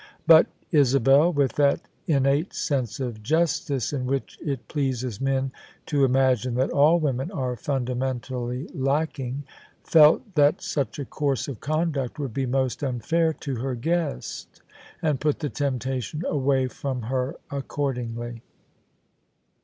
But Isabel — ^with that innate sense of justice in which it pleases men to imagine that all women are fundamentally lacking — felt that such a course of conduct would be most unfair to her guest: and put the temptation away from her accordingly.